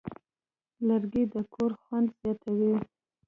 لرګی د کور خوند زیاتوي.